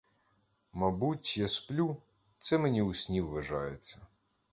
Мабуть, я сплю, це мені у сні ввижається.